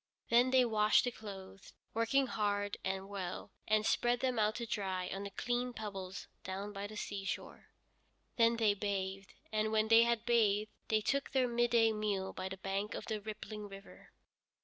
Then they washed the clothes, working hard and well, and spread them out to dry on the clean pebbles down by the seashore. Then they bathed, and when they had bathed they took their midday meal by the bank of the rippling river.